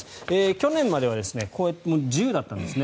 去年までは自由だったんですね。